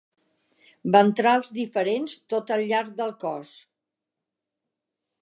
Ventrals diferents tot al llarg del cos.